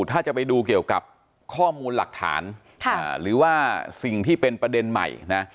ถ้าจะไปดูเกี่ยวกับข้อมูลหลักฐานหรือว่าสิ่งที่เป็นประเด็นใหม่นะ